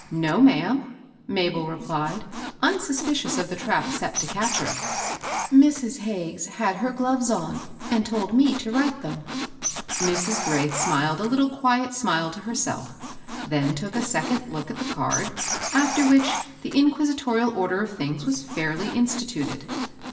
" No, ma'am^" Mabel replied, unsuspicious of the trap set to catch her ;" Mrs. Hagges had her gloves on, and told me to write them." Mrs. Graith smiled a little quiet smile to herself, then took a second look at the card, after which, the inquisitorial order of things was feirly insti tuted.